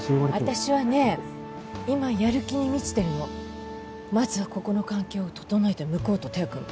私はね今やる気に満ちてるのまずはここの環境を整えて向こうと手を組む